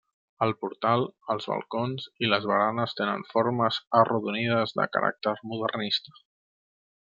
El portal, els balcons i les baranes tenen formes arrodonides de caràcter modernista.